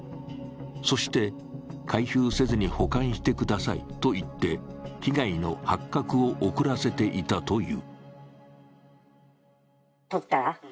そして、開封せずに保管してくださいと言って被害の発覚を遅らせていたという。